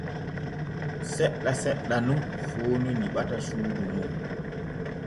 Seɗɗa seɗɗa nun foonu nyiɓata suudu mum.